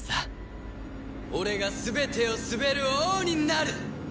俺が全てを統べる王になる！